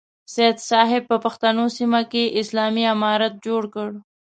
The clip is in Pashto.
سید صاحب په پښتنو سیمه کې اسلامي امارت جوړ کړ.